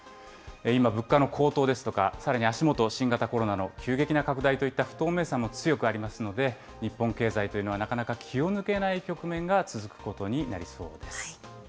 今、物価の高騰ですとか、さらに足元、新型コロナの急激の拡大といった不透明さも強くありますので、日本経済というのはなかなか気を抜けない局面が続くことになりそうです。